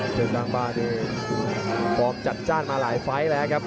เจ้าสร้างบ้านที่พร้อมจัดจ้านมาหลายไฟต์แล้วครับ